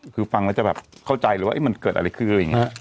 คือฟังมันจะเข้าใจแล้วว่ามันเกิดอะไรคือ